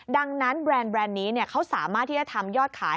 ดังนั้นแบรนด์นี้เขาสามารถที่จะทำยอดขาย